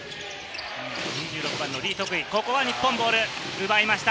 ２６番のリ・トクイ、ここは日本ボール奪いました！